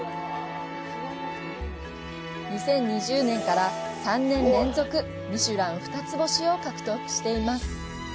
２０２０年から、３年連続ミシュラン２つ星を獲得しています。